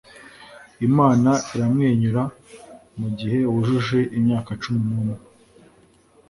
imana iramwenyura mugihe wujuje imyaka cumi n'umwe.